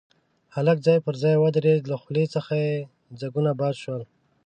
هلک ځای پر ځای ودرېد، له خولې څخه يې ځګونه باد شول.